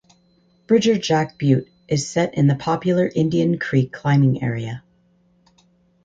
Bridger Jack Butte is set in the popular Indian Creek climbing area.